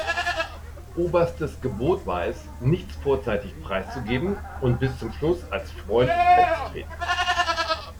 Oberstes Gebot war es, nichts vorzeitig preiszugeben und bis zum Schluss als Freund aufzutreten.